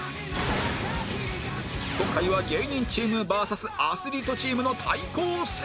今回は芸人チーム ＶＳ アスリートチームの対抗戦